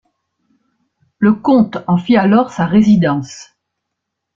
Le comte en fit alors sa résidence.